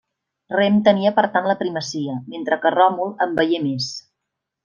Rem tenia per tant la primacia, mentre que Ròmul en veié més.